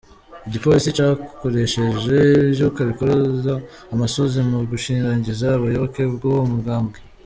Igipolisi cakoresheje ivyuka bikoroza amosozi mu gushiragiza abayoboke b’uwo mugambwe.